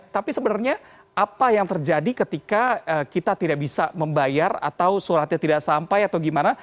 tapi sebenarnya apa yang terjadi ketika kita tidak bisa membayar atau suratnya tidak sampai atau gimana